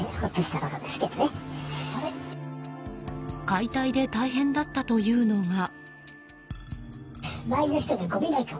解体で大変だったというのが。